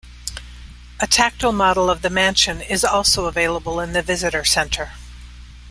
A tactile model of the Mansion is also available in the Visitor Center.